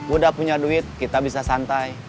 udah punya duit kita bisa santai